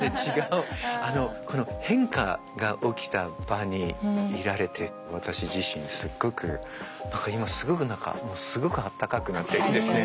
変化が起きた場にいられて私自身すっごく何か今すごく何かすごくあたたかくなっていいですね。